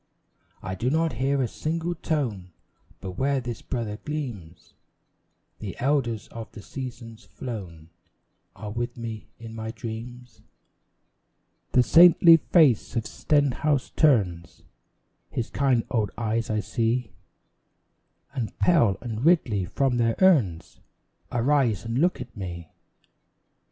I do not hear a single tone; But where this brother gleams, The elders of the seasons flown Are with me in my dreams. The saintly face of Stenhouse turns His kind old eyes I see; And Pell and Ridley from their urns Arise and look at me.